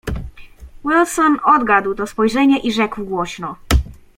"Wilson odgadł to spojrzenie i rzekł głośno."